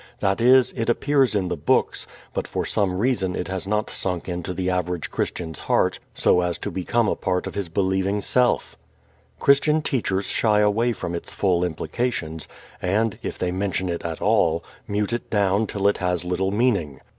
That is, it appears in the books, but for some reason it has not sunk into the average Christian's heart so as to become a part of his believing self. Christian teachers shy away from its full implications, and, if they mention it at all, mute it down till it has little meaning.